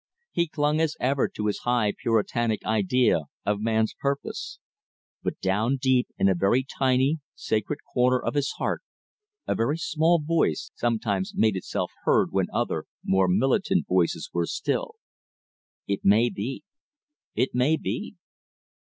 He clung as ever to his high Puritanic idea of man's purpose. But down deep in a very tiny, sacred corner of his heart a very small voice sometimes made itself heard when other, more militant voices were still: "It may be; it may be!"